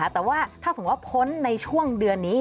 แต่ว่าถ้าสมมุติว่าพ้นในช่วงเดือนนี้